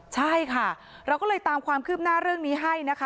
ใช่ค่ะเราก็เลยตามความคืบหน้าเรื่องนี้ให้นะคะ